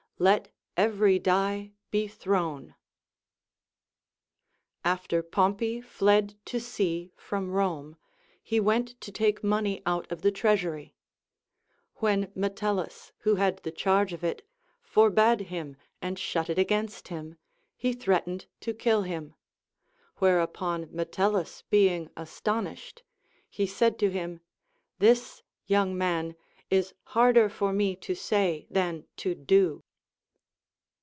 Let every die be thrown. After Pompey fled to sea from Rome, he went to take money out of the treasury : when Metellus, who had the charge of it, forbade him and shut it against him, he threatened to kill him ; whereupon ]\ietellus being aston ished, he said to him. This, young man, is harder for me to say than to do.